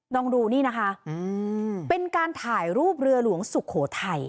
ลองดูนี่นะคะเป็นการถ่ายรูปเรือหลวงสุโขทัย